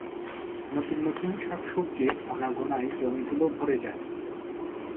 নতুন নতুন শাক-সবজির আনাগোনায় জমিগুলো ভরে যায়।